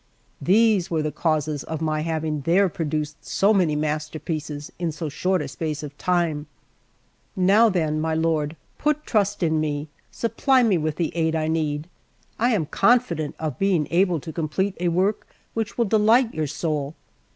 These were the causes of my having there produced so many masterpieces in so short a space of time. Now then, my lord, put trust in me; supply me with the aid I need. I am confident of being able to complete a work which will delight your soul.